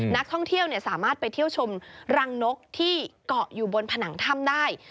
นักท่องเที่ยวสามารถไปเที่ยวชมรังนกที่เกาะอยู่บนผนังถ้ำได้